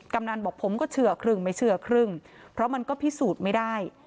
กำนันบอกผมก็เชื่อครึ่งไม่เชื่อครึ่งเพราะมันก็พิสูจน์ไม่ได้